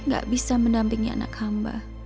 gak bisa mendampingi anak hamba